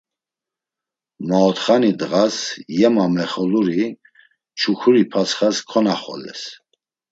Maotxani ndğas yema mexoluri Çukuri patsxas konaxoles.